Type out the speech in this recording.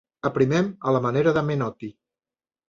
Aprimem a la manera de Menotti.